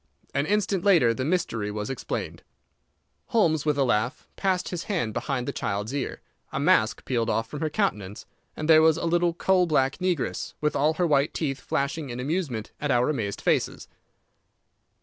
An instant later the mystery was explained. Holmes, with a laugh, passed his hand behind the child's ear, a mask peeled off from her countenance, and there was a little coal black negress, with all her white teeth flashing in amusement at our amazed faces.